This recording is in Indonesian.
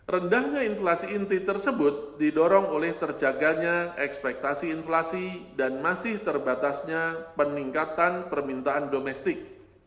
rendahnya inflasi inti tersebut didorong oleh terjaganya ekspektasi inflasi dan masih terbatasnya peningkatan permintaan domestik